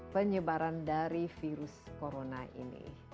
penyebaran dari virus ini